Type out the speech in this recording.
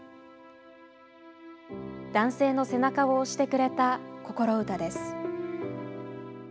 男性の背中を押してくれたこころウタです。